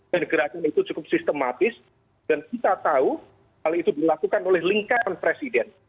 dan gerakan itu cukup sistematis dan kita tahu hal itu dilakukan oleh lingkaran presiden